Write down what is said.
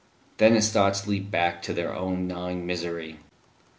Then his thoughts leaped back to their own gnawing misery.